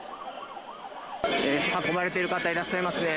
運ばれている方、いらっしゃいますね。